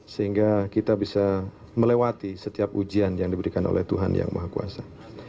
sehingga kita bisa melewati setiap ujian yang diberikan oleh tuhan yang maha kuasa